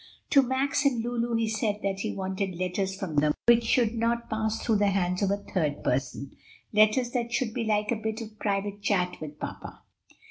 To Max and Lulu he said that he wanted letters from them which should not pass through the hands of a third person, "letters that should be like a bit of private chat with papa."